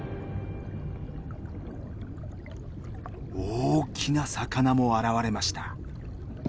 大きな魚も現れました。